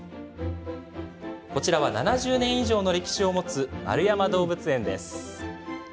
こちらは７０年以上の歴史を持つ円山動物園です。